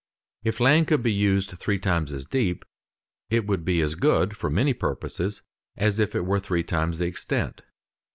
If land could be used three times as deep, it would be as good for many purposes as if it were of three times the extent.